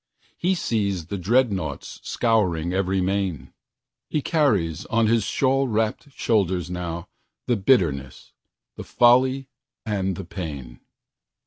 He sees the dreadnaughts scouring every main. He carries on his shawl wrapped shoulders nowThe bitterness, the folly and the pain.